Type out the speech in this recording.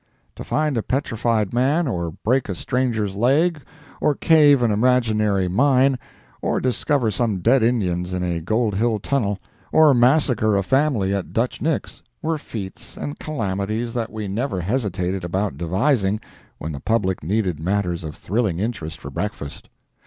To find a petrified man, or break a stranger's leg, or cave an imaginary mine, or discover some dead Indians in a Gold Hill tunnel, or massacre a family at Dutch Nick's, were feats and calamities that we never hesitated about devising when the public needed matters of thrilling interest for breakfast.